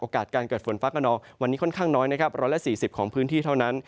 โอกาสการเกิดฝนฟ้าขนองวันนี้ค่อนข้างน้อยร้อยละ๔๐ของพื้นที่เท่านั้น